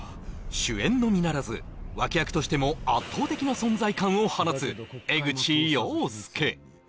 主演のみならず脇役としても圧倒的な存在感を放つ江口洋介